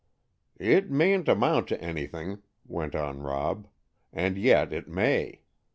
"It mayn't amount to anything," went on Rob, "and yet, it may.